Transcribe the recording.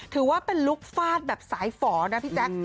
ถือว่าเป็นลุคฟาดแบบสายฝ่อนะพี่แจ๊ค